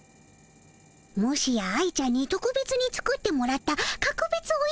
もしや愛ちゃんにとくべつに作ってもらったかくべつおいしいプリンかの？